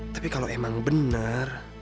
tapi kalo emang bener